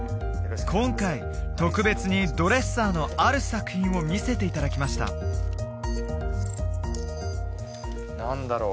今回特別にドレッサーのある作品を見せていただきました何だろう？